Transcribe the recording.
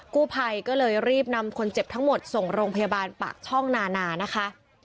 กู้ภัยก็เลยรีบนำคนเจ็บทั้งหมดส่งโรงพยาบาลปากช่องนานานะคะ